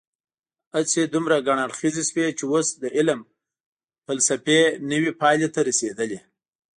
هڅې دومره ګڼ اړخیزې شوي چې اوس د علم فېلسوفي نوې پایلې ته رسېدلې.